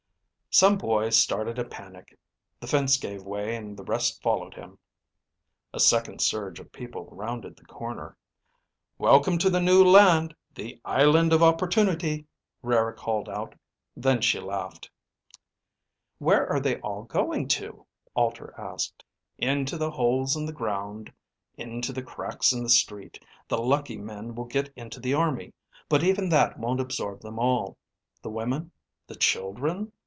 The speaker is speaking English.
"Some boy started a panic. The fence gave way and the rest followed him." A second surge of people rounded the corner. "Welcome to the New Land, the Island of Opportunity," Rara called out. Then she laughed. "Where are they all going to go?" Alter asked. "Into the holes in the ground, into the cracks in the street. The lucky men will get into the army. But even that won't absorb them all. The women, the children...?"